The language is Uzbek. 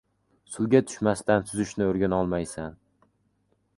• Suvga tushmasdan suzishni o‘rganolmaysan.